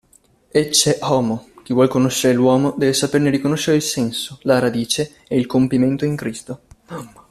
Ecce homo: chi vuol conoscere l'uomo, deve saperne riconoscere il senso, la radice e il compimento in Cristo.